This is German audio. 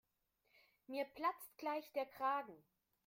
Mir platzt gleich der Kragen.